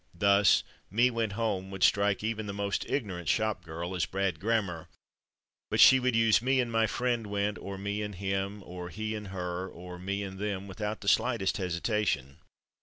Thus "/me/ went home" would strike even the most ignorant shopgirl as "bad grammar," but she would use "/me/ and my friend went," or "/me/ and /him/," or "/he/ and /her/," or "/me/ and /them/" without the slightest hesitation.